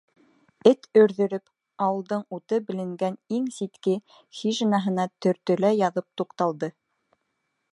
Эт өрҙөрөп, ауылдың уты беленгән иң ситке хижинаһына төртөлә яҙып туҡталды.